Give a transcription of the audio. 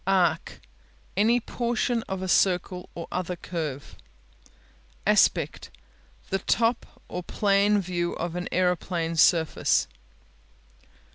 Arc Any portion of a circle or other curve. Aspect The top or plan view of an aeroplane surface.